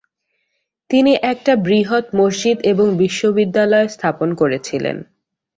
তিনি একটা বৃহৎ মসজিদ এবং বিশ্ববিদ্যালয় স্থাপন করেছিলেন।